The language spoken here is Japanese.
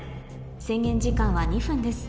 制限時間は２分です